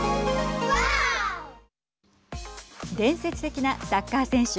伝説的なサッカー選手